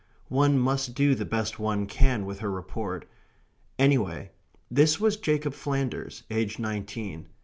One must do the best one can with her report. Anyhow, this was Jacob Flanders, aged nineteen.